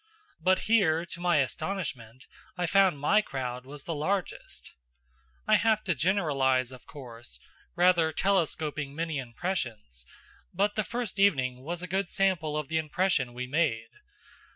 But here, to my astonishment, I found my crowd was the largest. I have to generalize, of course, rather telescoping many impressions; but the first evening was a good sample of the impression we made.